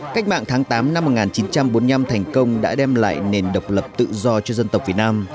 cách mạng tháng tám năm một nghìn chín trăm bốn mươi năm thành công đã đem lại nền độc lập tự do cho dân tộc việt nam